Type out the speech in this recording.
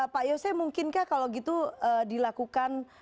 pak yose mungkinkah kalau gitu dilakukan